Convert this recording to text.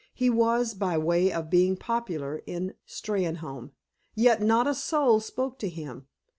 He was by way of being popular in Steynholme, yet not a soul spoke to him.